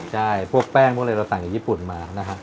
ใช่พวกแป้งพวกเลยเราสั่งจากญี่ปุ่นมานะฮะ